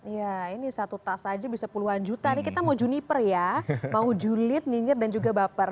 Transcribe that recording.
ya ini satu tas aja bisa puluhan juta nih kita mau juniper ya mau julid nyinyir dan juga baper